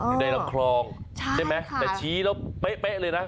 อยู่ในลำคลองใช่ไหมแต่ชี้แล้วเป๊ะเลยนะ